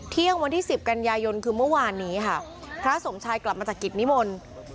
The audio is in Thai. เที่ยงวันที่สิบกันยายนคือเมื่อวานนี้ค่ะพระสมชายกลับมาจากกิจนิมนต์